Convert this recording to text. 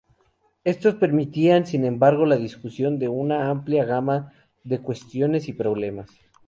Estos permitían, sin embargo, la discusión de una amplia gama de cuestiones y problemas.